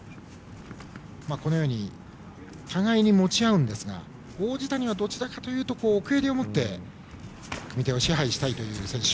このように互いに持ち合うんですが王子谷は、どちらかというと奥襟を持って組み手を支配したいという選手。